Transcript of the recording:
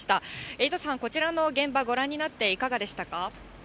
エイトさん、こちらの現場ご覧になって、いかがでしたか。